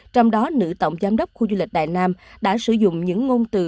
trong đó nữ tổng giám đốc khu du lịch đại nam đã sử dụng những ngôn từ